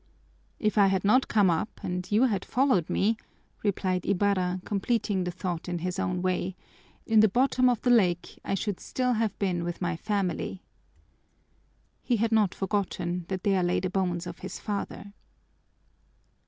"If I had not come up and you had followed me," replied Ibarra, completing the thought in his own way, "in the bottom of the lake, I should still have been with my family!" He had not forgotten that there lay the bones of his father.